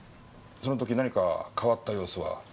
その時何か変わった様子は？